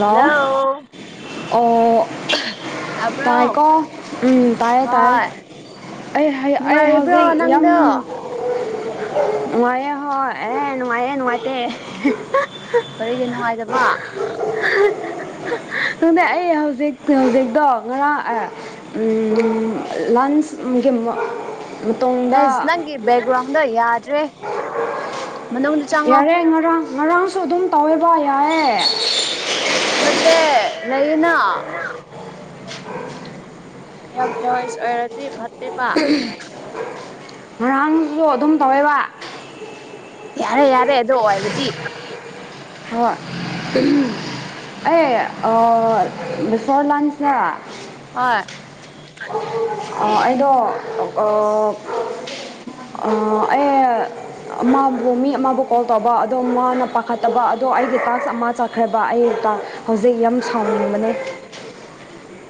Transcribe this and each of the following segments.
ꯍꯥꯎ hello ꯑꯣ ꯇꯥꯕ꯭ꯔꯣ ꯇꯥꯏꯀꯣ ꯎꯝ ꯇꯥꯏꯌꯦ ꯇꯥꯌꯦ ꯍꯣꯏ ꯑꯩ ꯍꯩ ꯑꯩ ꯍꯧꯖꯤꯛ ꯅꯨꯡꯉꯥꯏꯔꯤꯕ꯭ꯔꯣ ꯌꯥꯝ ꯅꯪꯗꯣ ꯅꯨꯡꯉꯥꯏꯌꯦ ꯍꯣꯏ ꯅꯨꯡꯉꯥꯏꯑꯦ ꯅꯨꯡꯉꯥꯏꯇꯦ ꯀꯔꯤꯒꯤ ꯅꯨꯡꯉꯥꯏꯇꯕ ꯇꯨꯅꯦ ꯑꯩ ꯍꯧꯖꯤꯛ ꯍꯧꯖꯤꯛꯇꯣ ꯉꯔꯥꯡ ꯑꯦ ꯎꯝ ꯂꯥꯟꯁ ꯒꯤꯃꯣ ꯃꯇꯨꯡꯗ ꯅꯁ ꯅꯪꯒꯤ ꯕꯦꯛꯒ꯭ꯔꯥꯎꯟꯗꯣ ꯌꯥꯗ꯭ꯔꯦ ꯃꯅꯨꯡꯗ ꯆꯪꯉꯣ ꯌꯥꯔꯦ ꯉꯔꯥꯡ ꯉꯔꯥꯡꯁꯨ ꯑꯗꯨꯝ ꯇꯧꯋꯦꯕ ꯌꯥꯏꯌꯦ ꯅꯠꯇꯦ ꯂꯩꯌꯦꯅꯥ ꯌꯥꯝ ꯅꯣꯏꯁ ꯑꯣꯏꯔꯗꯤ ꯐꯠꯇꯦꯕ ꯉꯥꯡꯁꯨ ꯑꯗꯨꯝ ꯇꯧꯋꯦꯕ ꯌꯥꯔꯦ ꯌꯥꯔꯦ ꯑꯗꯨ ꯑꯣꯏꯔꯗꯤ ꯍꫭꯏ ꯎꯝ ꯑꯩ ꯑꫭ ꯕꯤꯐꯣꯔ ꯂꯥꯟꯁꯅꯥ ꯍꫭꯏ ꯑ ꯑꯩꯗꫭ ꯑꫭꯛ ꯑ ꯑꯩ ꯑꯃꯕꯨ ꯃꯤ ꯑꯃꯕꯨ ꯀꯣꯜ ꯇꯧꯕ ꯑꯗꯣ ꯃꯥꯅ ꯄꯥꯈꯠꯇꯕ ꯑꯗꯣ ꯑꯩꯒꯤ ꯇꯥꯛꯁ ꯑꯃ ꯆꯠ ꯈ꯭ꯔꯕ ꯑꯩ ꯇꯥꯛꯁ ꯍꯧꯖꯤꯛ ꯌꯥꯝ ꯁꯥꯎꯅꯤꯡꯕꯅꯦ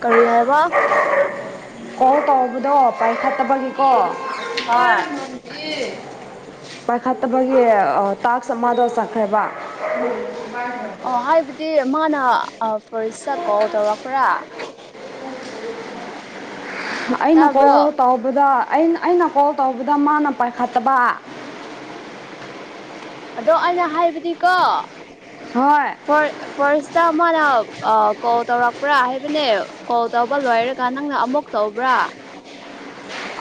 ꯀꯔꯤ ꯍꯥꯏꯕ ꯀꯣꯜ ꯇꯧꯕꯗꯣ ꯄꯥꯏꯈꯠꯇꯕꯒꯤꯀꯣ ꯍꫭꯏ ꯄꯥꯏꯈꯠꯇꯕꯒꯤ ꯇꯥꯛꯁ ꯑꯃꯗ ꯆꯠꯈ꯭ꯔꯦꯕ ꯑꯣ ꯍꯥꯏꯕꯗꯤ ꯃꯥꯅ ꯑꯐꯔꯁ꯭ ꯆꯇ ꯀꯣꯜ ꯇꯧꯔꯛꯄ꯭ꯔꯥ ꯑꯩꯅ ꯇꯥꯕ꯭ꯔꯣ ꯀꯣꯜ ꯇꯧꯕꯗ ꯑꯩꯅ ꯑꯩꯅ ꯀꯣꯜ ꯇꯧꯕꯗ ꯃꯥꯅ ꯄꯥꯏꯈꯠꯇꯕ ꯑꯗꯣ ꯑꯩꯅ ꯍꯥꯏꯕꯗꯤꯀꯣ ꯍꯣꯏ ꯐꫭꯏ ꯐꯔꯁ꯭ꯇ ꯃꯥ ꯑꯥ ꯀꯣꯜ ꯇꯧꯔꯛꯄ꯭ꯔꯥ ꯍꯥꯏꯕꯅꯦ ꯀꯣꯜ ꯇꯧꯕ ꯂꯣꯏꯔꯒ ꯅꯪꯅ ꯑꯃꯨꯛ ꯇꯧꯕ꯭ꯔꯥ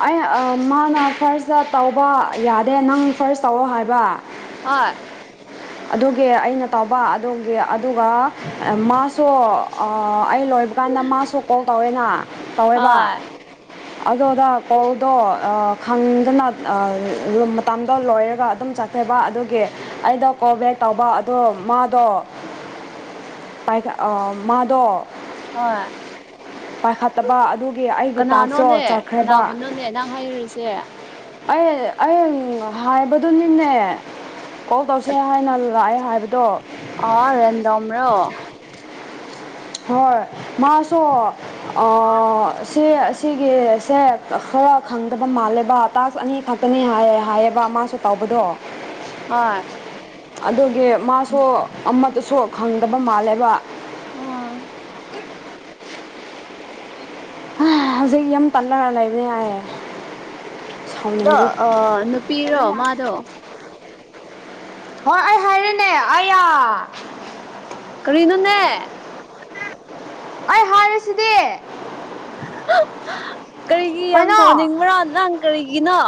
ꯑꯩꯅ ꯑ ꯃꯥꯅ ꯐꯔꯁ꯭ꯇ ꯇꯧꯕ ꯌꯥꯗꯦ ꯅꯪ ꯐꯔꯁ꯭ ꯇꯧꯑꯣ ꯍꯥꯏꯕꯔꯥ ꯍꫭꯏ ꯑꯗꯨꯒꯤ ꯑꯩꯅ ꯇꯧꯕ ꯑꯗꯨꯒꯤ ꯑꯗꯨꯒ ꯃꯥꯁꯨ ꯑꯩ ꯂꯣꯏ ꯀꯥꯟꯗ ꯃꯥꯁꯨ ꯀꯣꯜ ꯇꯧꯋꯦꯅ ꯇꯧꯋꯦꯕ ꯍꯣꯏ ꯑꯗꯨꯗꯥ ꯀꯣꯜꯗꯣ ꯑꯥ ꯈꯪꯗꯅ ꯑꯥ ꯃꯇꯝꯗ ꯂꯣꯏꯔꯒ ꯑꯗꯨꯝ ꯆꯠ ꯈꯔꯕ ꯑꯗꯨꯒꯤ ꯑꯩꯗꯣ ꯀꯣꯜ ꯕꯦꯛ ꯇꯧꯕ ꯑꯗꯣ ꯃꯥꯗꯣ ꯄꯥꯏꯈꯠ ꯑꯥ ꯃꯥꯗꯣ ꯍꯣꯏ ꯄꯥꯏꯈꯠꯇꯕ ꯑꯗꯨꯒꯤ ꯑꯩꯒꯤ ꯇꯥꯛꯁꯨꯣ ꯀꯅꯥꯅꯣꯅꯦ ꯆꯠꯈ꯭ꯔꯦꯕ ꯀꯅꯥꯕꯨꯅꯣꯅꯦ ꯅꯪ ꯍꯥꯏꯔꯤꯁꯦ ꯑꯩ ꯑꯩ ꯍꯥꯏꯕꯗꯨꯅꯤꯅꯦ ꯀꯣꯜ ꯇꯧꯁꯦ ꯍꯥꯏꯅ ꯂꯥꯛꯑꯦ ꯍꯥꯏꯕꯗꯣ ꯑ ꯔꯦꯟꯗꯝ ꯔꯣ ꯍꯣꯏ ꯃꯥꯁꯨ ꯁꯤ ꯑꯁꯤꯒꯤꯁꯦ ꯈꯔ ꯈꯪꯗꯕ ꯃꯥꯜꯂꯦꯕ ꯇꯥꯀꯁ ꯑꯅꯤ ꯈꯛꯇꯅꯤ ꯍꯥꯏ ꯍꯥꯏꯌꯦꯕ ꯃꯥꯁꯨ ꯇꯧꯕꯗꯣ ꯑꯣꯏ ꯑꯗꯨꯒꯤ ꯃꯥꯁꯨ ꯑꯃꯠꯗꯁꯨ ꯈꯪꯗꯕ ꯃꯥꯜꯂꯦꯕ ꯎꯝ ꯍꯧꯖꯤꯛ ꯌꯥꯝ ꯇꯜꯂꯒ ꯂꯩꯔꯦ ꯍꯥꯏ ꯑꯗꯣ ꯑꯥ ꯅꯨꯄꯤꯔꯣ ꯃꯥꯗꯣ ꯍꯣꯏ ꯑꯩ ꯍꯩꯔꯦꯅꯦ ꯑꯩꯌꯥ ꯀꯔꯤꯅꯣꯅꯦ ꯑꯩ ꯍꯥꯏꯔꯤꯁꯤꯗꯤ ꯀꯔꯤꯒꯤ ꯌꯥꯝ ꯀꯩꯅꯣ ꯁꯥꯎꯅꯤꯡꯕ꯭ꯔ ꯅꯪ ꯀꯔꯤꯒꯤꯅꯣ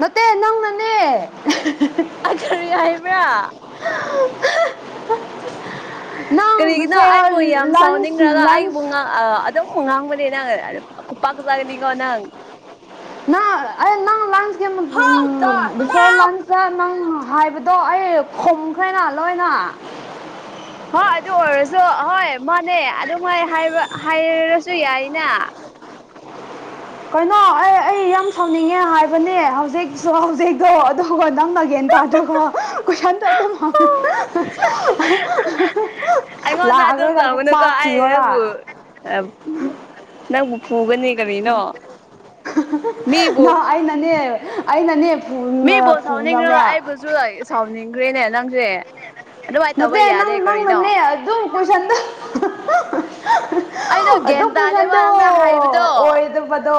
ꯅꯠꯇꯦ ꯅꯪꯅꯅꯦ ꯑꯊꯣꯏꯕꯤ ꯍꯥꯏꯕ꯭ꯔꯥ ꯅꯪ ꯀꯔꯤꯒꯤꯅꯣ ꯕꯤꯐꯣꯔ ꯑꯩꯕꯨ ꯌꯥꯝ ꯂꯟꯁ ꯁꯥꯎꯅꯤꯡꯉꯒ ꯑꯩꯕꯨ ꯂꯟꯁ ꯉ ꯑ ꯑꯗꯨꯝ ꯉꯥꯡꯕꯅꯦ ꯅꯪ ꯈꯨꯄꯥꯛ ꯆꯥꯒꯅꯤꯀꯣ ꯅꯪ ꯪ ꯅꯪ ꯑꯩ ꯅꯪ ꯂꯟꯁ [unintelligible] ꯕꯤꯐꯣꯔ ꯂꯟꯁꯇ ꯅꯪ ꯍꯥꯏꯕ ꯗꯣ ꯑꯩ ꯈꯣꯝꯈ꯭ꯔꯦꯅ ꯂꯣꯏꯅ ꯍꯣꯏ ꯑꯗꯨ ꯑꯣꯏꯔꯁꯨ ꯑꯍꯣꯏ ꯃꯥꯅꯦ ꯑꯗꯨ ꯃꯥꯏ ꯍꯥꯏꯔꯁꯨ ꯌꯥꯏꯅꯦ ꯀꯩꯅꯣ ꯑꯩ ꯑꯩ ꯌꯥꯝ ꯁꯥꯎꯅꯤꯡꯉꯦ ꯍꯥꯏꯕꯅꯦ ꯍꯧꯖꯤꯛꯁꯨ ꯍꯧꯖꯤꯛꯀꯣ ꯑꯗꯨꯒ ꯅꯪꯅꯒꯦ ꯇꯥꯗꯣꯛꯒ ꯀꯨꯁꯟꯗꯣꯗꯨꯝ ꯍꯪꯉꯦ ꯑꯩꯉꯣꯟꯗ ꯑꯗꯨꯝ ꯇꯧꯒꯅꯨꯀꯣ ꯑꯩ ꯅꯪꯕꯨ ꯅꯪꯕꯨ ꯄꯨꯒꯅꯤ ꯃꯤꯕꯨ ꯅ ꯑꯩꯅꯅꯦ ꯑꯪꯅꯅꯦ ꯄꯨꯟꯅ ꯄꯨꯅꯕ ꯁꯨ ꯁꯥꯎꯅꯤꯡꯈ꯭ꯔꯦꯅꯦ ꯅꯪꯁꯦ ꯑꯗꯨꯃꯥꯏꯅ ꯇꯧꯕ ꯅꯠꯇꯦ ꯅꯪ ꯌꯥꯗꯦ ꯀꯔꯤꯅꯣ ꯅꯪꯅꯅꯦ ꯑꯗꯨꯝ ꯀꯣꯏꯁꯟꯗ ꯑꯩꯗꯣ ꯑꯗꯨ ꯒ꯭ꯌꯥꯟ ꯇꯥꯗꯦꯕ ꯀꯨꯁꯟꯗꯣ ꯅꯪꯅ ꯍꯥꯏꯕꯗꯣ ꯑꯣꯏꯗꯕꯗꯣ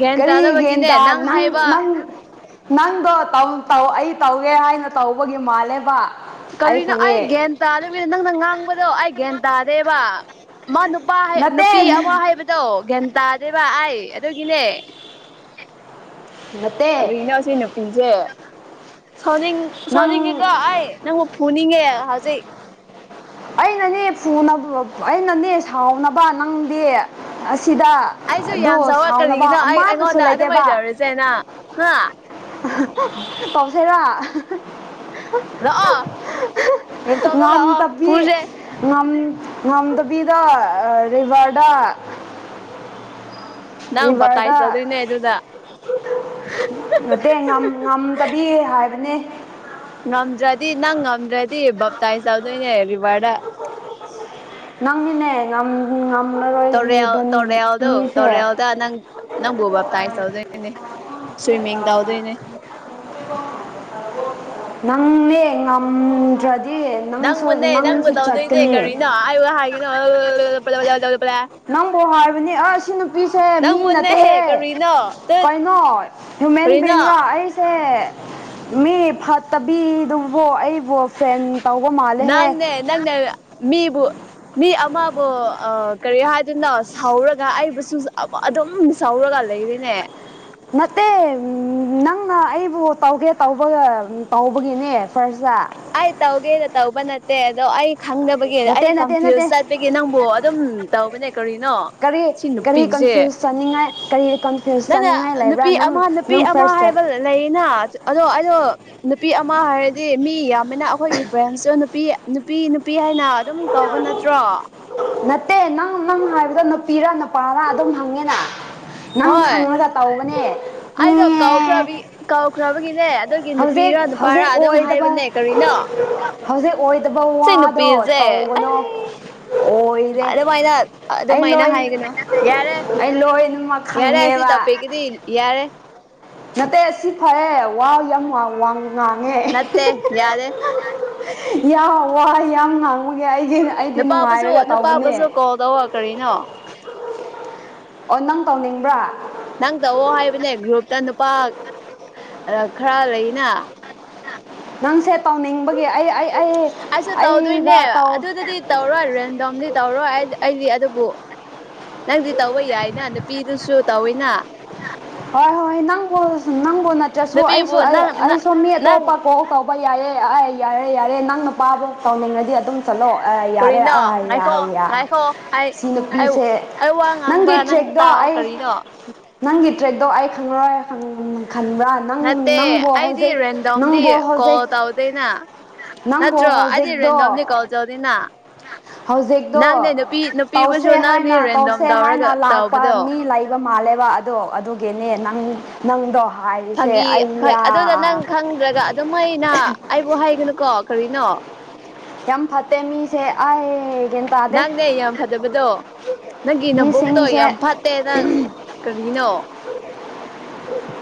ꯒ꯭ꯌꯥꯟ ꯀꯔꯤ ꯇꯥꯗꯕꯒꯤꯅꯦ ꯌꯦꯟꯗ ꯅꯪ ꯍꯥꯏꯕ ꯅꯪ ꯅꯪꯗꯣ ꯑꯩ ꯇꯧꯒꯦ ꯍꯥꯏꯅ ꯇꯧꯕꯒꯤ ꯃꯥꯜꯂꯦꯕ ꯀꯔꯤꯅꯣ ꯑꯩ ꯒ꯭ꯌꯥꯟ ꯇꯥꯗꯕꯤꯗ ꯅꯪꯅ ꯉꯥꯡꯕꯗꯣ ꯑꯩ ꯒ꯭ꯌꯥꯟ ꯇꯥꯗꯦꯕ ꯃꯥ ꯅꯨꯄꯥ ꯅꯠꯇꯦ ꯅꯨꯄꯤ ꯑꯃ ꯍꯥꯏꯕꯗꯣ ꯒ꯭ꯌꯥꯟ ꯇꯥꯗꯦꯕ ꯑꯩ ꯑꯗꯨꯒꯤꯅꯦ ꯅꯠꯇꯦ ꯀꯔꯤꯅꯣ ꯁꯤ ꯅꯨꯄꯤꯁꯦ ꯁꯧꯅꯤꯡ ꯅꯪ ꯁꯧꯅꯤꯡꯉꯤꯀꯣ ꯑꯩ ꯅꯪꯕꯨ ꯐꯨꯅꯤꯡꯉꯦ ꯍꯧꯖꯤꯛ ꯑꯩꯅꯅꯦ ꯐꯨꯅꯕ ꯑꯩꯅꯅꯦ ꯁꯥꯎꯅꯕ ꯅꯪꯗꯤ ꯑꯁꯤꯗ ꯑꯩꯁꯨ ꯑꯗꯣ ꯌꯥꯝ ꯆꯥꯎꯋꯦ ꯁꯥꯎꯅꯕ ꯑꯃꯇꯁꯨ ꯂꯩꯇꯦꯕ ꯇꯦꯅ ꯍꯥ ꯇꯧꯁꯦꯔꯥ ꯂꯑꯣ ꯉꯝ ꯇꯞꯕꯤ ꯉꯝ ꯉꯝꯗꯕꯤꯗ ꯔꯤꯚꯔꯗ ꯅꯪ ꯔꯤꯚꯔꯗ ꯕꯞꯇꯥꯏꯁ ꯇꯧꯗꯣꯏꯅꯦ ꯑꯗꯨꯗ ꯅꯠꯇꯦ ꯉꯝ ꯉꯝꯗꯕꯤ ꯍꯥꯏꯕꯅꯦ ꯉꯝꯗ꯭ꯔꯥꯗꯤ ꯅꯪ ꯉꯝꯗ꯭ꯔꯥꯗꯤ ꯚꯞꯇꯥꯏ ꯇꯧꯗꯣꯏꯅꯦ ꯔꯤꯚꯔꯗ ꯅꯪꯅꯤꯅꯦ ꯉꯝ ꯉꯝ ꯇꯣꯔꯦꯜ ꯇꯣꯔꯦꯜꯗꯨ ꯇꯣꯔꯦꯜꯗ ꯅꯪ ꯅꯪꯕꯨ ꯚꯞ ꯇꯥꯏ꯭ꯁ ꯇꯧꯗꯣꯏꯅꯦ ꯁ꯭ꯋꯤꯝꯃꯤꯡ ꯇꯧꯗꯣꯏꯅꯤ ꯅꯪꯅꯦ ꯉꯝꯗ꯭ꯔꯗꯤ ꯅꯪꯁꯨ ꯅꯪꯕꯨꯅꯦ ꯅꯪꯕꯨ ꯅꯪꯁꯨ ꯇꯧꯗꯣꯏꯅꯦ ꯆꯠꯀꯅꯤ ꯀꯔꯤꯅꯣ ꯑꯩꯕꯨ ꯍꯥꯏꯒꯅꯣ [unintelligible] ꯅꯪꯕꯨ ꯍꯥꯏꯕꯅꯤ ꯑꯁ ꯁꯤ ꯅꯨꯄꯤꯁꯦ ꯃꯤ ꯅꯪꯕꯨꯅꯦ ꯅꯠꯇꯦꯍꯦ ꯀꯔꯤꯅꯣ ꯇꯨꯠ ꯀꯩꯅꯣ ꯍ꯭ꯌꯨꯃꯦꯟ ꯕꯤꯡꯔ ꯀꯔꯤꯅꯣ ꯑꯩ ꯁꯦ ꯃꯤ ꯐꯠꯇꯕꯤꯗꯨꯕꯨ ꯑꯩ ꯅꯪꯅꯦ ꯅꯪꯅꯦ ꯃꯤꯕꯨ ꯃꯤ ꯑꯃꯕꯨ ꯀꯔꯤ ꯍꯥꯏꯗꯅꯣ ꯁꯥꯎꯔꯒ ꯑꯩꯕꯨꯁꯨ [unintelligible] ꯑꯗꯨꯝ ꯁꯥꯎꯔꯒ ꯂꯩꯔꯦꯅꯦ ꯅꯠꯇꯦ ꯅꯪꯅ ꯑꯩꯕꯨ ꯇꯧꯒꯦ ꯇꯧꯕꯒ ꯇꯧꯕꯒꯤꯅꯤ ꯐꯔ꯭ꯁꯇ ꯑꯩ ꯇꯥꯎꯒꯦꯅ ꯇꯥꯎꯕ ꯅꯠꯇꯦ ꯑꯗꯣ ꯑꯩ ꯈꯪꯗꯕꯒꯤ ꯅꯠꯇꯦ ꯑꯩ ꯅꯠꯇꯦ ꯅꯠꯇꯦ ꯀꯟꯐ꯭ꯌꯨꯁ ꯆꯠꯄꯒꯤ ꯅꯪꯕꯨ ꯑꯗꯨꯝ ꯇꯧꯕꯅꯦ ꯀꯔꯤꯅꯣ ꯀꯔꯤ ꯁꯤ ꯀꯔꯤ ꯅꯨꯄꯤꯁꯦ ꯀꯟꯐ꯭ꯌꯨꯁ ꯆꯥꯅꯤꯡꯉꯥꯏ ꯀꯔꯤ ꯀꯟꯐ꯭ꯌꯨꯁ ꯆꯥꯅꯤꯡꯉꯥꯏ ꯂꯩꯕ꯭ꯔꯥ ꯅꯪ ꯅꯪ ꯐꯔ꯭ꯁꯇ [unintelligible] ꯂꯩꯅ ꯑꯗꯣ ꯑꯩꯗꯣ ꯅꯨꯄꯤ ꯑꯃ ꯍꯥꯏꯔꯗꯤ ꯃꯤ ꯃꯤ ꯌꯥꯝꯃꯤꯅ ꯑꯩꯈꯣꯏꯒꯤ ꯐ꯭ꯔꯦꯟꯁꯨ ꯅꯨꯄꯤ ꯅꯨꯄꯤ ꯅꯨꯄꯤ ꯍꯥꯏꯅ ꯑꯗꯨꯝ ꯀꯧꯕ ꯅꯠꯇ꯭ꯔꯣ ꯅꯠꯇꯦ ꯅꯪ ꯅꯪ ꯍꯥꯏꯕꯗ ꯅꯨꯄꯤꯔ ꯅꯨꯄꯔ ꯑꯗꯨꯝ ꯍꯪꯉꯦꯅ ꯅꯪ ꯍꯣꯏ ꯈꯪꯉꯂꯒ ꯇꯧꯕꯅꯦ [unintelligible] [unintelligible] ꯀꯥꯎꯈ꯭ꯔꯕꯒꯤꯅꯦ ꯍꯧꯖꯤꯛ ꯍꯧꯖꯤꯛ ꯑꯣꯏꯗꯕ ꯀꯔꯤꯅꯣ ꯍꯧꯖꯤꯛ ꯑꯣꯏꯗꯕ ꯁꯤ ꯋꯥꯗꯣ ꯅꯨꯄꯤꯁꯦ ꯇꯧꯒꯅꯣ ꯑꯩ ꯑꯣꯏꯔꯦ ꯑꯗꯨꯃꯥꯏꯅ ꯑꯩ ꯑꯗꯨꯃꯥꯏꯅ ꯂꯣꯏ ꯍꯥꯏꯒꯅꯨ ꯌꯥꯔꯦ ꯑꯩ ꯂꯣꯏꯅꯃꯛ ꯌꯥꯔꯦ ꯑꯁꯤ ꯈꯪꯉꯦꯕ ꯇꯣꯄꯤꯛꯀꯤꯗꯤ ꯌꯥꯔꯦ ꯅꯠꯇꯦ ꯑꯁꯤ ꯐꯔꯦ ꯋꯥ ꯌꯥꯝ ꯋꯥ ꯋꯥ ꯉꯥꯡꯉꯦ ꯅꯠꯇꯦ ꯌꯥꯔꯦ ꯌꯥ ꯋꯥ ꯌꯥꯝ ꯉꯥꯡ [unintelligible] ꯑꯩꯗꯤ ꯅꯨꯄꯥꯕꯨꯁꯨ ꯅꯨꯡꯉꯥꯏꯔꯒ ꯇꯧꯕꯅꯦ ꯅꯨꯄꯥꯕꯨꯁꯨ ꯀꯣꯜ ꯇꯧꯑꯣ ꯀꯔꯤꯅꯣ ꯑꯣ ꯅꯪ ꯇꯧꯅꯤꯡꯕ꯭ꯔꯥ ꯅꯪ ꯇꯧꯋꯣ ꯍꯥꯏꯕꯅꯦ ꯒ꯭ꯔꯨꯞꯇ ꯅꯨꯄꯥ ꯈꯔ ꯂꯩꯅ ꯅꯪꯁꯦ ꯇꯧꯅꯤꯡꯕꯒꯤ ꯑꯩ ꯑꯩ ꯑꯩ ꯑꯩꯁꯨ ꯇꯧꯗꯣꯏꯅꯦ ꯑꯩꯒ ꯇꯧ ꯑꯗꯨꯗꯗꯤ ꯇꯧꯔꯣꯏ ꯔꯦꯟꯗꯝꯗꯤ ꯇꯧꯔꯣꯏ ꯑꯩꯗꯤ ꯑꯗꯨꯕꯨ ꯅꯪꯗꯤ ꯇꯧꯕ ꯌꯥꯏꯅ ꯅꯨꯄꯤꯗꯁꯨ ꯇꯧꯋꯤꯅ ꯍꯣꯏ ꯍꯣꯏ ꯅꯪꯕꯨ ꯅꯪꯕꯨ ꯅꯠꯇ꯭ꯔꯁꯨ ꯅꯨꯄꯤꯕꯨ ꯑꯩꯁꯨ ꯅꯪ ꯑꯩꯁꯨ ꯃꯤ ꯑꯇꯣꯞꯄ ꯅꯪ ꯀꯣ ꯇꯧꯕ ꯄ ꯌꯥꯏꯌꯦ ꯑꯥꯏ ꯌꯥꯔꯦ ꯌꯥꯔꯦ ꯅꯪ ꯅꯨꯄꯥꯕꯨ ꯇꯧꯅꯤꯡꯉꯗꯤ ꯑꯗꯨꯝ ꯆꯠꯂꯣ ꯑꯥ ꯌꯥꯔꯦ ꯀꯔꯤꯅꯣ ꯉꯥꯏꯈꯣ ꯑꯌꯥꯌꯥ ꯉꯥꯏꯈꯣ ꯑꯩ ꯁꯤ ꯑꯩ ꯅꯨꯄꯤꯁꯦ ꯑꯩ ꯋꯥ ꯅꯪꯒꯤ ꯉꯥꯡꯕ ꯅꯪ ꯇ꯭ꯔꯤꯛꯗꯣ ꯇꯥꯎ ꯑꯩ ꯀꯔꯤꯅꯣ ꯅꯪꯒꯤ ꯇ꯭ꯔꯤꯛꯇꯣ ꯑꯩ ꯈꯪꯔꯣꯏ ꯈꯟꯕ꯭ꯔꯥ ꯅꯪ ꯅꯠꯇꯦ ꯅꯪꯕꯣ ꯑꯩꯗꯤ ꯍꯧꯖꯤꯛ ꯔꯦꯟꯗꯣꯝꯗꯤ ꯅꯪꯕꯣ ꯍꯧꯖꯤꯛ ꯀꯣꯜ ꯇꯧꯗꯦꯅ ꯅꯪꯕꯣ ꯅꯠꯇ꯭ꯔꯣ ꯑꯩꯗꯤ ꯍꯧꯖꯤꯛꯗꯣ ꯔꯦꯟꯗꯣꯝꯗꯤ ꯀꯣꯜ ꯇꯧꯗꯦꯅ ꯍꯧꯖꯤꯛꯗꯣ ꯅꯪꯅꯦ ꯅꯨꯄꯤ ꯇꯧꯁꯦ ꯅꯨꯄꯤꯕꯨꯁꯨ ꯅꯪꯗꯤ ꯍꯥꯏꯅ ꯔꯦꯟꯗꯣꯝ ꯇꯧꯁꯦ ꯍꯥꯏꯅ ꯇꯧꯔꯒ ꯂꯥꯛꯄ ꯇꯧꯕꯗꯣ ꯃꯤ ꯂꯩ- ꯕ ꯃꯥꯜꯂꯦꯕ ꯑꯗꯣ ꯑꯗꯨꯒꯤꯅꯤ ꯅꯪ ꯅꯪꯗꯣ ꯍꯥꯏꯔꯤꯁꯦ ꯑꯩꯌꯥ ꯇ꯭ꯔꯒ ꯑꯗꯨꯃꯥꯏꯅ ꯑꯩꯕꯨ ꯍꯥꯏꯒꯅꯨꯀꯣ ꯀꯔꯤꯅꯣ ꯌꯥꯝ ꯐꯠꯇꯦ ꯃꯤꯁꯦ ꯑꯥꯏ ꯅꯪꯅꯦ ꯌꯥꯝ ꯐꯠꯇꯕꯗꯣ ꯅꯪꯒꯤ ꯅꯕꯨꯛꯇꯣ ꯃꯤꯁꯤꯡꯁꯦ ꯌꯥꯝ ꯐꯠ- ꯇꯦ ꯅꯪ ꯀꯔꯤꯅꯣ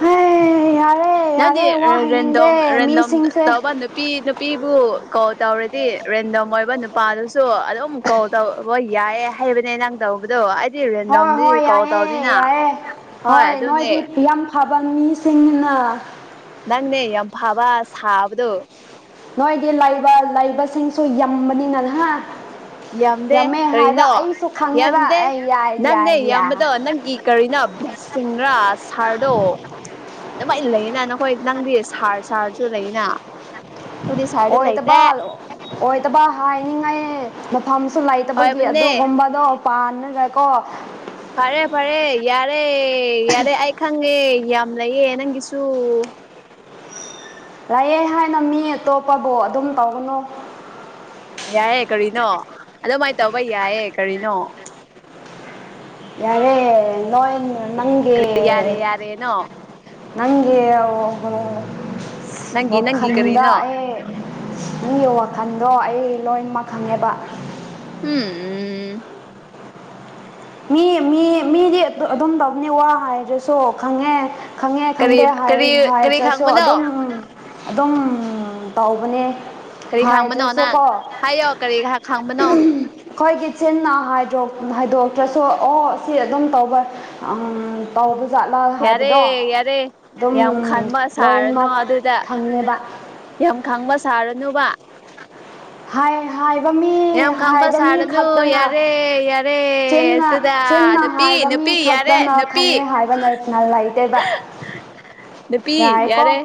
ꯍꯩ ꯍꯩꯌ ꯅꯗꯤ ꯔꯦꯟꯗꯣꯝ ꯔꯦꯟꯗꯣꯝ ꯃꯤꯁꯤꯡꯁꯦ ꯇꯧꯕ ꯅꯨꯞ ꯄꯤ ꯅꯨꯄꯤꯕꯨ ꯀꯣꯜ ꯇꯧꯔꯗꯤ ꯔꯦꯟꯗꯝ ꯑꯣꯏꯕ ꯅꯨꯄꯥꯗꯨꯁꯨ ꯑꯗꯨꯝ ꯀꯣꯜ ꯇꯧꯕ ꯌꯥꯏꯌꯦ ꯍꯥꯏꯕꯅꯦ ꯅꯪ ꯇꯧꯕꯗꯣ ꯍꯣꯏ ꯔꯦꯟꯗꯣꯝꯗꯤ ꯍꯣꯏ ꯀꯣꯜ ꯌꯥꯏꯑꯦ ꯇꯧꯅꯤꯅ ꯌꯥꯏꯑꯦ ꯍꯣꯏ ꯅꯣꯏꯗꯤ ꯐꯤꯌꯝ ꯊꯕꯟ ꯃꯤꯁꯤꯡꯅ ꯅꯪꯅꯦ ꯌꯥꯝ ꯐꯕ ꯁꯥꯕꯗꯣ ꯅꯣꯏꯗꯤ ꯂꯩꯕ ꯂꯩꯕꯁꯤꯡꯁꯨ ꯌꯝꯕꯅꯤꯅ ꯍꯥ ꯌꯥꯝꯗꯦ ꯌꯥꯝꯃꯦ ꯍꯥꯏꯕ ꯀꯔꯤꯅꯣ ꯑꯩꯁꯨ ꯈꯪꯉꯦꯕ ꯌꯥꯝꯗꯦ ꯑꯩ ꯌꯥꯏ ꯅꯪꯅꯦ ꯌꯥꯏ ꯌꯥꯏ ꯌꯥꯝꯕꯗꯣ ꯅꯪꯒꯤ ꯀꯔꯤꯅꯣ ꯕ꯭ꯂꯦꯁꯤꯡꯔꯥ ꯁꯥꯔꯗꯣ ꯑꯗꯨꯃꯥꯏꯅ ꯂꯩꯅ ꯅꯈꯣꯏ ꯅꯪꯗꯤ ꯁꯥꯔ ꯁꯥꯔꯁꯨ ꯂꯩꯅ ꯑꯗꯨꯗꯤ ꯁꯥꯔꯗꯤ ꯑꯣꯏꯇꯕ ꯂꯩꯇꯦ ꯑꯣꯏꯇꯕ ꯍꯥꯏꯅꯤꯡꯉꯥꯏ ꯃꯇꯝꯁꯨ ꯂꯩꯇꯕꯒꯤ ꯑꯣꯏꯕꯅꯦ ꯑꯗꯨꯒꯨꯝꯕꯗꯣ ꯄꯥꯟꯅꯒꯀꯣ ꯐꯔꯦ ꯐꯔꯦ ꯌꯥꯔꯦ ꯌꯥꯔꯦ ꯑꯩ ꯈꯪꯉꯦ ꯌꯥꯝ ꯂꯩꯌꯦ ꯅꯪꯒꯤꯁꯨ ꯂꯩꯌꯦ ꯍꯥꯏꯅ ꯃꯤ ꯑꯇꯣꯞꯄꯕꯨ ꯑꯗꯨꯝ ꯇꯧꯒꯅꯨ ꯌꯥꯏꯌꯦ ꯀꯔꯤꯅꯣ ꯑꯗꯨꯃꯥꯏꯅ ꯇꯧꯕ ꯌꯥꯏꯌꯦ ꯀꯔꯤꯅꯣ ꯌꯥꯔꯦ ꯅꯣꯏ ꯅꯪꯒꯤ ꯀꯔꯤ ꯌꯥꯔꯦ ꯌꯥꯔꯦꯅꯣ ꯅꯪꯒꯤ ꯅꯪꯒꯤ ꯅꯪꯒꯤ ꯋꯥꯈꯜꯗ ꯀꯔꯤꯅꯣ ꯑꯩ ꯅꯪꯒꯤ ꯋꯥꯈꯜꯗꯣ ꯑꯩ ꯂꯣꯏꯅꯃꯛ ꯈꯪꯉꯦꯕ [unintelligible] ꯃꯤ ꯃꯤ ꯃꯤꯗꯤ ꯑꯗꯨꯝ ꯇꯧꯕꯅꯤ ꯋꯥ ꯍꯥꯏꯗ꯭ꯔꯁꯨ ꯈꯪꯉꯦ ꯈꯪꯉꯦ ꯀꯔꯤ ꯈꯪꯗꯦ ꯍꯥꯏꯔ ꯀꯔꯤ ꯀꯔꯤ ꯍꯥꯏꯗ꯭ꯔꯥꯁꯨ ꯈꯪꯕꯅꯣ ꯑꯗꯨꯝ ꯑꯗꯨꯝ ꯇꯧꯕꯅꯦ ꯀꯔꯤ ꯈꯥꯡꯕꯅꯣ ꯍꯥꯏꯗ꯭ꯔꯁꯨ ꯅꯪ ꯀꯣ ꯍꯥꯏꯌꯣ ꯀꯔꯤ ꯈꯥꯡꯕꯅꯣ ꯈꯣꯏꯒꯤ ꯆꯤꯟꯅ ꯍꯥꯏꯗ꯭ꯔꯣꯛ ꯍꯥꯏꯗꯣꯛꯇ꯭ꯔꯁꯨ ꯑꯣ ꯁꯤ ꯑꯗꯨꯝ ꯇꯧꯕ ꯑꯥ ꯇꯧꯕꯖꯥꯠꯂꯥ ꯌꯥꯔꯦ ꯍꯥꯏꯕꯗꯣ ꯌꯥꯔꯦ ꯑꯗꯨꯝ ꯌꯥꯝ ꯈꯥꯡꯕ ꯁꯥꯔꯅꯨ ꯂꯣꯏꯅꯃꯛ ꯑꯗꯨꯗ ꯈꯪꯉꯦꯕ ꯌꯥꯝ ꯈꯪꯕ ꯁꯥꯔꯅꯨꯕ ꯍꯥꯏ ꯍꯥꯏ [unintelligible] ꯃꯤ ꯌꯥꯝ ꯈꯥꯡꯕ ꯍꯥꯏꯕ ꯃꯤ ꯁꯥꯔꯅꯨ ꯈꯛꯇꯅ ꯌꯥꯔꯦ ꯌꯥꯔꯦ ꯆꯤꯟꯅ ꯑꯗꯨꯗ ꯆꯤꯟꯅ ꯅꯨꯄꯤ ꯍꯥꯏꯕ ꯃꯤ ꯅꯨꯄꯤ ꯈꯛ ꯌꯥꯔꯦ ꯇꯅ ꯅꯨꯄꯤ ꯈꯪꯉꯦ ꯍꯥꯏꯕ ꯂꯩꯅ ꯂꯩꯇꯦꯕ ꯅꯨꯄꯤ ꯌꯥꯔꯦ ꯌꯥꯔꯦꯀꯣ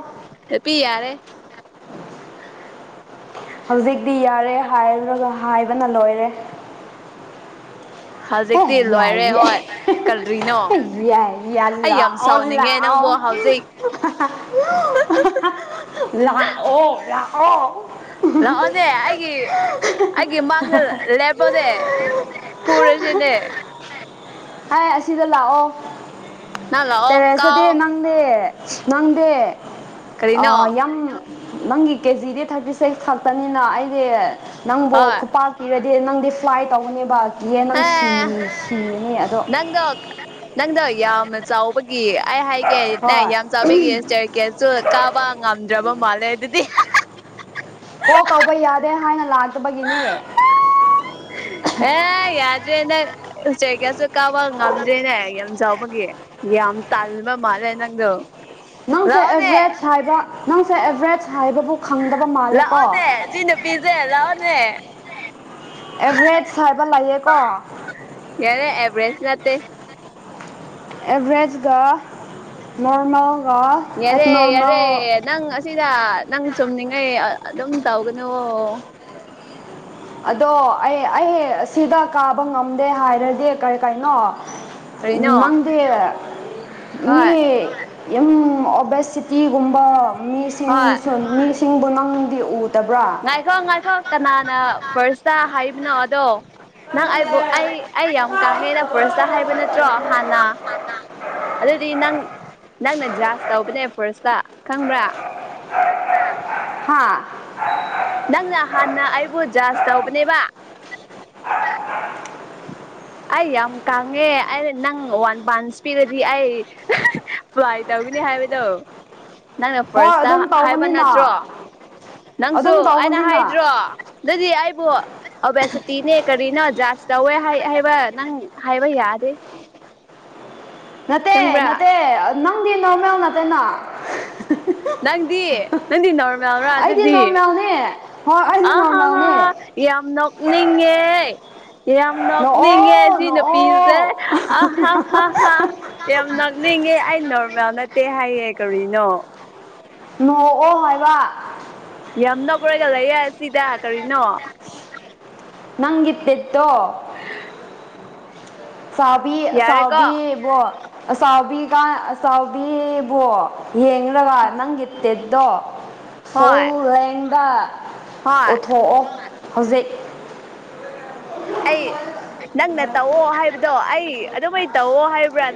ꯅꯨꯄꯤ ꯌꯥꯔꯦ ꯍꯧꯖꯤꯛꯇꯤ ꯌꯥꯔꯦ ꯍꯥꯏꯔꯨꯒ ꯍꯥꯏꯕꯅ ꯂꯣꯏꯔꯦ ꯑꯦ ꯍꯧꯖꯤꯛꯇꯤ ꯂꯣꯏꯔꯦ ꯌꯥꯏꯌꯦ ꯍꯣꯏ ꯀꯔꯤꯅꯣ [unintelligible] ꯌꯥꯏ ꯑꯩ ꯌꯜꯂ ꯌꯥꯝ ꯑꯣꯜꯂ ꯁꯥꯎꯅꯤꯡꯉꯦ ꯑꯥꯎ ꯅꯪꯕꯨ ꯍꯧꯖꯤꯛ [unintelligible] ꯂꯥꯛꯑꯣ ꯂꯥꯛꯑꯣ ꯂꯥꯛꯑꯣꯅꯦ ꯑꯩꯒꯤ ꯑꯩꯒꯤ ꯃꯥꯡꯗ ꯂꯦꯞꯄꯣꯅꯦ ꯐꯨꯔꯁꯤꯅꯦ ꯍꯥꯏ ꯑꯁꯤꯗ ꯂꯥꯛꯑꯣ ꯅꯪ ꯂꯥꯛꯑꯣ ꯇꯦꯔꯦꯁꯇꯗꯤ ꯀꯥꯎ ꯅꯪ ꯅꯪꯗꯤ ꯅꯪꯗꯤ ꯑ ꯀꯔꯤꯅꯣ ꯌꯥꯝ ꯅꯪꯒꯤ ꯀꯦꯖꯤꯗꯤ ꯊꯥꯔꯇꯤ ꯁꯤꯛꯁ ꯈꯛꯇꯅꯤꯅ ꯑꯩꯗꯤ ꯅꯪꯕꯨ ꯍꯣꯏ ꯈꯨꯄꯥꯛ ꯏꯔꯗꯤ ꯅꯪꯗꯤ ꯐ꯭ꯂꯥꯏ ꯇꯧꯒꯅꯦꯕ ꯀꯤꯌꯦ ꯅꯪ ꯍꯦ ꯁꯤ ꯁꯤꯔꯅꯤ ꯑꯗꯣ ꯅꯪꯗꯣ ꯅꯪꯗꯣ ꯌꯥꯝꯅ ꯆꯥꯎꯕꯒꯤ ꯑꯩ ꯍꯥꯏꯒꯦ ꯅꯦ ꯍꯣꯏ ꯌꯥꯝ ꯆꯥꯎꯕꯒꯤ ꯆꯦꯔꯀꯦꯁꯨ ꯀꯥꯕ ꯉꯝꯗ꯭ꯔꯕ ꯃꯥꯜꯂꯦ ꯑꯗꯨꯗꯤ ꯀꯣꯜ ꯇꯧꯕ ꯌꯥꯗꯦ ꯍꯥꯏꯅ ꯂꯥꯛꯇꯕꯒꯤꯅꯦ ꯑꯦ ꯌꯥꯗ꯭ꯔꯦ ꯅꯪ ꯎꯆꯦꯛꯀꯁꯨ ꯀꯥꯕ ꯉꯝꯗ꯭ꯔꯦꯅꯦ ꯌꯥꯝ ꯆꯥꯎꯕꯒꯤ ꯌꯥꯝ ꯇꯥꯜꯕ ꯃꯥꯜꯂꯦ ꯅꯪꯗꯣ [unintelligible] ꯅꯪꯁꯦ ꯂꯥꯛꯑꯣꯅꯦ ꯑꯦꯚꯔꯦꯖ ꯍꯥꯏꯕ ꯅꯪꯁꯦ ꯑꯦꯚꯔꯦꯖ ꯍꯥꯏꯕꯕꯨ ꯈꯪꯗꯕ ꯃꯥꯜꯂꯦ ꯀꯣ ꯂꯥꯛꯑꯣꯅꯦ ꯁꯤ ꯅꯨꯄꯤꯁꯦ ꯂꯥꯛꯑꯣꯅꯦ [unintelligible] ꯑꯦꯚꯔꯦꯖ ꯍꯥꯏꯕ ꯂꯩꯌꯦꯀꯣ ꯌꯥꯔꯦ ꯑꯦꯕꯔꯦꯁ ꯅꯠꯇꯦ ꯑꯦꯚꯔꯦꯖꯒ ꯅꯣꯔꯃꯦꯜꯒ ꯌꯥꯔꯦ ꯌꯥꯔꯦ ꯑꯦꯕꯅꯣꯔꯃꯦꯜ ꯅꯪ ꯑꯁꯤꯗ ꯅꯪ ꯆꯨꯝꯅꯤꯡꯉꯩ ꯑꯗꯨꯝ ꯇꯧꯒꯅꯨ ꯑꯗꯣ ꯑꯩ ꯑꯩ ꯁꯤꯗ ꯀꯥꯕ ꯉꯝꯗꯦ ꯍꯥꯏꯔꯗꯤ ꯀꯔꯤ ꯀꯩꯅꯣ ꯀꯔꯤꯅꯣ ꯅꯪꯗ ꯍꯣꯏ ꯃꯤ ꯌꯥꯝ ꯑꯣꯕꯦꯁꯤ ꯇꯤꯒꯨꯝꯕ ꯍꯣꯏ ꯃꯤꯁꯤꯡꯁꯨ ꯃꯤꯁꯤꯡꯕꯨ ꯅꯪꯗꯤ ꯎꯗꯕ꯭ꯔꯥ ꯉꯥꯏꯈꯣ ꯉꯥꯏꯈ ꯀꯅꯥꯅ ꯐꯥꯔꯁꯇ ꯍꯥꯏꯕꯅꯣ ꯑꯗꯣ ꯅꯪ ꯑꯩꯕꯨ ꯑꯩ ꯑꯩ ꯌꯥꯝ ꯀꯥꯡꯉꯦꯅ ꯐꯥꯔꯁꯇ ꯍꯥꯏꯕ ꯅꯠꯇ꯭ꯔꯣ ꯍꯥꯟꯅ ꯑꯗꯨꯗꯤ ꯅꯪ ꯅꯪꯅ ꯖꯔꯖ ꯇꯧꯕꯅꯦ ꯐꯥꯔꯁꯇ ꯈꯪꯕ꯭ꯔꯥ ꯍꯥꯥ ꯅꯪꯅ ꯍꯥꯟꯅ ꯑꯩꯕꯨ ꯖꯥꯔꯁ ꯇꯧꯕꯅꯦꯕ ꯑꯩ ꯌꯥꯝ ꯀꯥꯡꯉꯦ ꯑꯩꯅ ꯅꯪ ꯋꯥꯟ ꯄꯥꯟꯁ ꯄꯤꯔꯗꯤ ꯑꯩ ꯄ꯭ꯂꯥꯏ ꯇꯧꯒꯅꯤ ꯍꯥꯏꯕꯗꯣ [inaudible] ꯅꯪꯅ ꯐꯥꯔꯁꯇ ꯑꯗꯨꯝ ꯍꯥꯏꯕ ꯅꯠꯇ꯭ꯔꯣ ꯇꯧꯕꯅꯤꯅ ꯅꯪꯁꯨ ꯑꯗꯨꯝ ꯑꯩꯅ ꯇꯧꯕꯅꯤꯅ ꯍꯥꯏꯗ꯭ꯔꯣ ꯑꯗꯨꯗꯤ ꯑꯩꯕꯨ ꯑꯣꯕꯦꯁꯤꯇꯤꯅꯦ ꯀꯔꯤꯅꯣ ꯖꯥꯔꯁ ꯇꯧꯋꯦ ꯅꯪ ꯍꯥꯏꯕ ꯌꯥꯗꯦ ꯅꯠꯇꯦ ꯈꯪꯕ꯭ꯔꯥ ꯅꯠꯇꯦ ꯅꯪꯗꯤ ꯅꯣꯔꯃꯦꯜ ꯅꯠꯇꯦꯅ ꯅꯪꯗꯤ ꯅꯪꯗꯤ ꯅꯣꯔꯃꯦꯜꯔ ꯑꯩꯗꯤ ꯑꯗꯨꯗꯤ ꯅꯣꯔꯃꯦꯜꯅꯦ ꯍꯣꯏ ꯑꯩꯗꯤ ꯑ ꯅꯣꯔꯃꯦꯜꯅꯦ ꯌꯥꯝ ꯅꯣꯛꯅꯤꯡꯉꯦ ꯌꯥꯝ ꯅꯣꯛꯅꯤꯡꯉꯦ ꯅꯣꯛꯑꯣ ꯁꯤ ꯅꯣꯛꯑꯣ ꯅꯨꯄꯤꯁꯦ ꯑ ꯍꯥꯥ ꯍꯥ ꯍꯥꯥ ꯌꯥꯝ ꯅꯛꯅꯤꯡꯉꯦ ꯑꯩ ꯅꯣꯔꯃꯦꯜ ꯅꯠꯇꯦ ꯍꯥꯏꯌꯦ ꯀꯔꯤꯅꯣ ꯅꯣꯛꯑꯣ ꯍꯥꯏꯕ ꯌꯥꯝ ꯅꯣꯛꯔꯒ ꯂꯩꯌꯦ ꯑꯁꯤꯗ ꯀꯔꯤꯅꯣ ꯅꯪꯒꯤ ꯕꯤꯠꯇꯣ [inaudible] ꯑꯁꯕꯤ ꯌꯥꯔꯦꯀꯣ ꯑꯁꯥꯎꯕꯤꯕꯣ ꯑꯁꯥꯎꯕꯤꯒ ꯑꯁꯥꯎꯕꯤꯕꯣ ꯌꯦꯡꯂꯒ ꯅꯪꯒꯤ ꯇꯦꯠꯇꯣ ꯍꯣꯏ ꯐꯣꯔꯦꯡꯗ ꯍꯣꯏ ꯎꯠꯊꯣꯛꯑꯣ ꯍꯧꯖꯤꯛ ꯑꯩ ꯅꯪꯅ ꯇꯧꯑꯣ ꯍꯥꯏꯕꯗꯣ ꯑꯩ ꯑꯗꯨꯃꯥꯏ ꯇꯧꯑꯣ ꯍꯥꯏꯕ꯭ꯔꯥ ꯅ